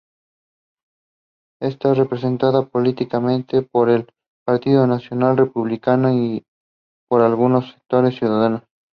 Está representada políticamente por el Partido Nacional Republicano y por algunos sectores ciudadanos.